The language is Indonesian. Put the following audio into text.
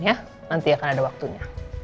nanti akan ada waktunya